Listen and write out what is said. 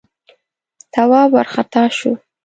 تواب وارخطا شو: